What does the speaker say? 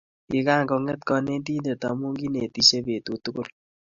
Kigakonget kanetindet amu kinetishe betut tugul